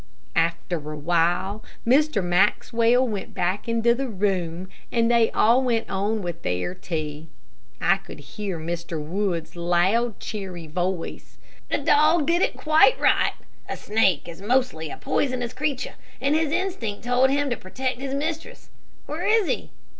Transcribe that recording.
After a while, Mr. Maxwell went back into the room, and they all went on with their tea. I could hear Mr. Wood's loud, cheery voice, "The dog did quite right. A snake is mostly a poisonous creature, and his instinct told him to protect his mistress. Where is he?